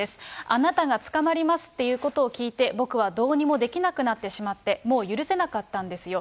あなたが捕まりますっていうことを聞いて、僕はどうにもできなくなってしまって、もう許せなかったんですよ。